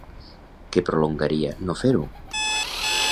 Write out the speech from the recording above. Què prolongaria no fer-ho?